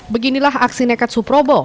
beginilah aksi nekat suprobo